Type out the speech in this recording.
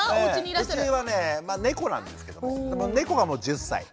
うちはねえ猫なんですけれども猫がもう１０歳。